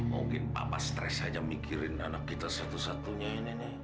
mungkin papa stres aja mikirin anak kita satu satunya ini nih